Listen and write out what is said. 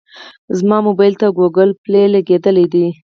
زما موبایل ته ګوګل پلی لګېدلی دی.